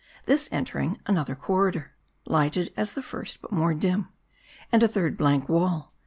This entering, another corridor ; lighted as the first, but more dim, and a third blank wall.